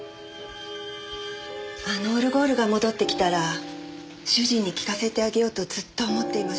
あのオルゴールが戻ってきたら主人に聴かせてあげようとずっと思っていました。